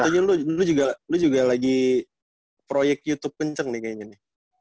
jadi lu juga lagi proyek youtube kenceng nih kayak gini